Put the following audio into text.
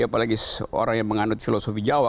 apalagi orang yang menganut filosofi jawa